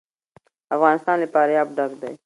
افغانستان له فاریاب ډک دی.